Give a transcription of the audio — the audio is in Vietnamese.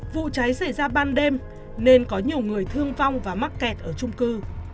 vụ cháy xảy ra ban đêm nên có nhiều người thương vong và mắc kẹt ở trung cư